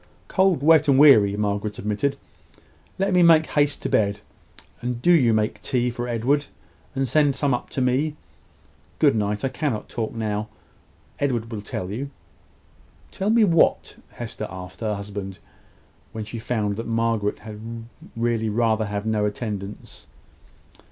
"Cold, wet, and weary," Margaret admitted. "Let me make haste to bed. And do you make tea for Edward, and send some up to me. Good night! I cannot talk now. Edward will tell you." "Tell me what?" Hester asked her husband, when she found that Margaret had really rather have no attendance.